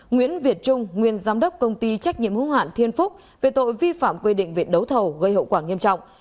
nguyễn việt trung nguyên giám đốc công ty trách nhiệm hữu hạn thiên phúc về tội vi phạm quy định về đấu thầu gây hậu quả nghiêm trọng